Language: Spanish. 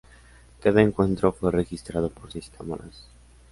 Cada encuentro fue registrado por seis cámaras.